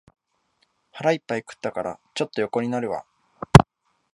腹いっぱい食ったから、ちょっと横になるわ